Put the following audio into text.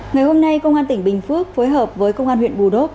ngày hôm nay công an tỉnh bình phước phối hợp với công an huyện bù đốp